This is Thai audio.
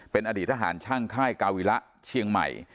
เป็นอดีตทหารช่างค่ายกาวิระเชียงใหม่